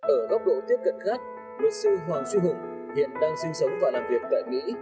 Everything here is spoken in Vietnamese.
ở góc độ tiếp cận khác luật sư hoàng duy hùng hiện đang sinh sống và làm việc tại mỹ